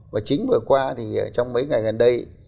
và chính vừa qua thì trong mấy ngày gần đây